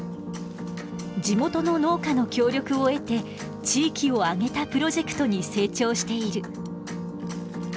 地元の農家の協力を得て地域を挙げたプロジェクトに成長している。